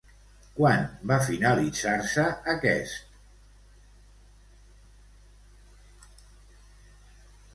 Quan va finalitzar-se aquest?